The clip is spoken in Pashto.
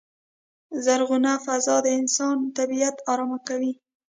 زرغونه فضا د انسان طبیعت ارامه کوی.